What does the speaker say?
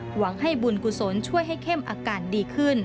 หวังให้บุญกุศลช่วยให้เข้มอาการดีขึ้น